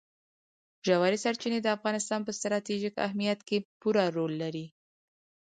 ژورې سرچینې د افغانستان په ستراتیژیک اهمیت کې پوره رول لري.